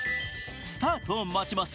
スタートを待ちます。